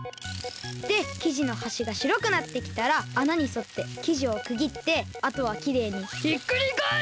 できじのはしがしろくなってきたらあなにそってきじをくぎってあとはきれいにひっくりかえす！